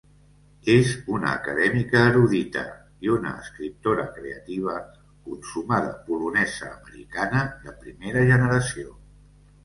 És una acadèmica erudita i una escriptora creativa consumada polonesa-americana de primera generació.